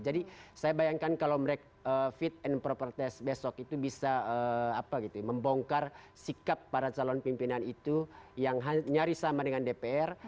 jadi saya bayangkan kalau fit and proper test besok itu bisa membongkar sikap para calon pimpinan itu yang nyaris sama dengan dpr